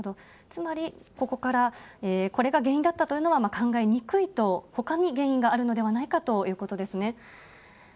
つまりここから、これが原因だったというのは考えにくいと、ほかに原因があるのではないかということですね。